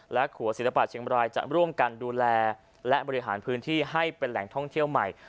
และขัวศิลปะเชียงบรายจะร่วมกันดูแลและบริหารพื้นที่ให้เป็นแหล่งท่องเที่ยวใหม่